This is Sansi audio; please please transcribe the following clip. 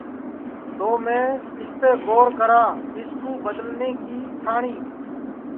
تو میں اِسپے گور کرا اِس کُو بدلنے کی ٹھاٹؔی